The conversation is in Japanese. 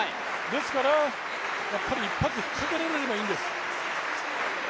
ですから、一発ふっかけられればいいんです。